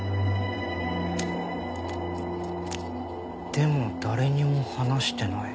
でも誰にも話してない。